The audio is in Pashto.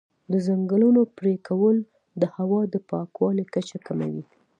د ځنګلونو پرېکول د هوا د پاکوالي کچه کموي.